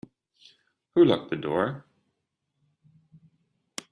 Who locked the door?